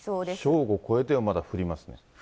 正午越えてもまだ降りますね。